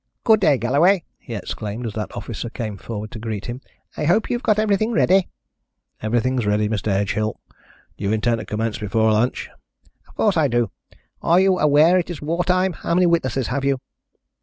"Good day, Galloway," he exclaimed, as that officer came forward to greet him. "I hope you've got everything ready." "Everything's ready, Mr. Edgehill. Do you intend to commence before lunch?" "Of course I do. Are you aware that it is war time? How many witnesses have you?"